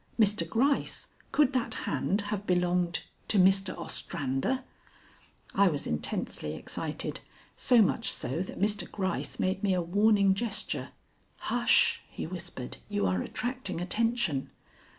Mr. Gryce, could that hand have belonged to Mr. Ostrander?" I was intensely excited; so much so that Mr. Gryce made me a warning gesture. "Hush!" he whispered; "you are attracting attention.